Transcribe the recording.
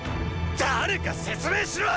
誰か説明しろ！